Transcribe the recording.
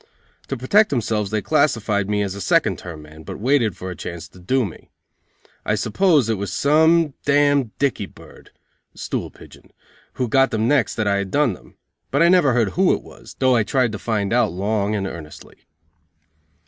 To protect themselves they classified me as a second term man, but waited for a chance to do me. I suppose it was some d Dickey Bird (stool pigeon) who got them next that I had done them; but I never heard who it was, though I tried to find out long and earnestly.